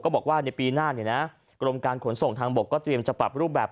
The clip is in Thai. ก็บอกว่าในปีหน้ากรมการขนส่งทางบกก็เตรียมจับปรับรูปแบบ